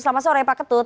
selamat sore pak ketut